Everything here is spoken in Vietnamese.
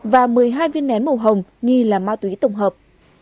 và một mươi hai viên nén màu hồng nghi là ma túy tổng hợp